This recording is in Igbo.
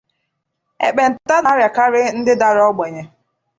Ekpenta n'arịakarị ndị dara ogbenye.